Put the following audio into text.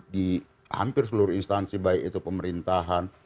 di hampir seluruh instansi baik itu pemerintahan